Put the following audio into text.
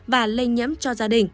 và lây nhiễm cho gia đình